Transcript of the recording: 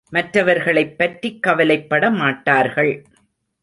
மற்றவர்களைப் பற்றிக் கவலைப்பட மாட்டார்கள்.